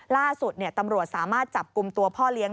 ล่าสุดตำรวจสามารถจับกลุ่มตัวพ่อเลี้ยง